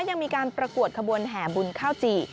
ยังมีการประกวดขบวนแห่บุญข้าวจี่